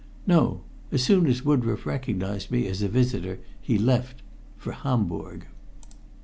"No. As soon as Woodroffe recognized me as a visitor he left for Hamburg."